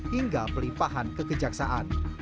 hingga pelipahan kekejaksaan